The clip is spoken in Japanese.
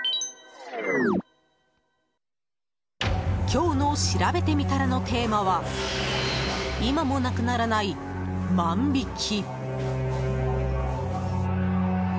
今日のしらべてみたらのテーマは今もなくならない、万引き。